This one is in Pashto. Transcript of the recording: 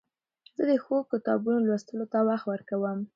زه د ښو کتابو لوستلو ته وخت ورکوم.